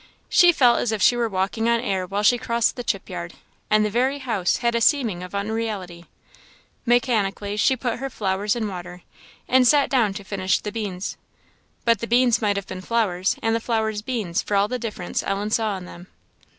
She felt as if she were walking on air while she crossed the chip yard, and the very house had a seeming of unreality. Mechanically she put her flowers in water, and sat down to finish the beans; but the beans might have been flowers, and the flowers beans, for all the difference Ellen saw in them.